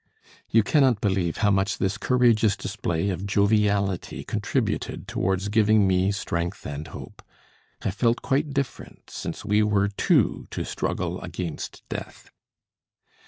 You cannot believe how much this courageous display of joviality contributed towards giving me strength and hope. I felt quite different since we were two to struggle against death.